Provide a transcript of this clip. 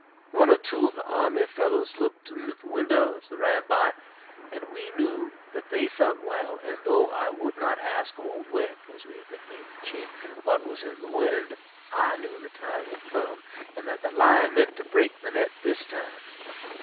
One or two of the army fellows looked in at the window as they ran by, and we knew that they felt well; and though I would not ask Old Wick, as we had nicknamed the Chief, what was in the wind, I knew the time had come, and that the lion meant to break the net this time.